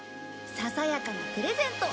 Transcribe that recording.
ささやかなプレゼント。